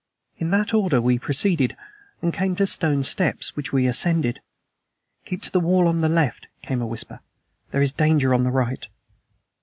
In that order we proceeded, and came to stone steps, which we ascended. "Keep to the wall on the left," came a whisper. "There is danger on the right."